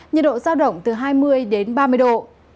nhiệt độ giao động từ hai mươi đến ba mươi độ